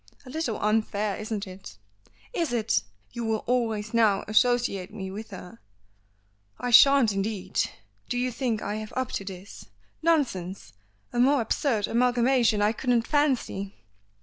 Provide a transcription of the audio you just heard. "A little unfair, isn't it?" "Is it? You will always now associate me with her!" "I shan't indeed. Do you think I have up to this? Nonsense! A more absurd amalgamation I couldn't fancy."